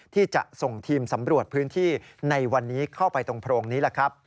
ที่จะส่งทีมสำรวจพื้นที่ในวันนี้เข้าไปตรงโพรงนี้แหละครับ